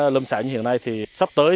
lâm xả như hiện nay thì sắp tới